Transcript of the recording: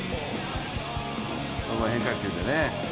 この変化球でね。